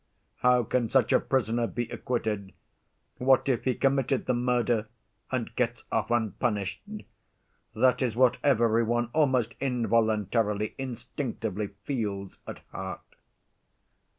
How can such a prisoner be acquitted? What if he committed the murder and gets off unpunished? That is what every one, almost involuntarily, instinctively, feels at heart.